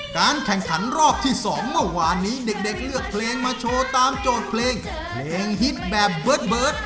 การแข่งขันรอบที่๒เมื่อวานนี้เด็กเลือกเพลงมาโชว์ตามโจทย์เพลงเพลงฮิตแบบเบิร์ต